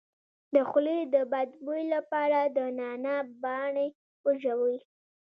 د خولې د بد بوی لپاره د نعناع پاڼې وژويئ